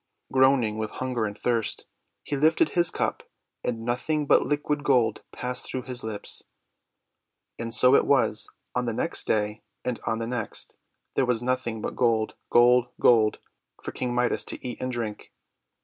Groaning with hunger and thirst, he lifted his cup, and nothing but liquid gold passed through his lips. And so it was on the next day, and on the next; there was nothing but gold, gold, gold, for King Midas to eat and drink.